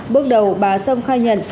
bước đầu bà sâm khai nhận